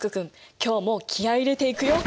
今日も気合い入れていくよ。